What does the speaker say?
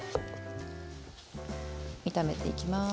炒めていきます。